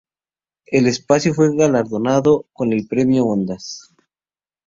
El espacio fue galardonado con el Premio Ondas.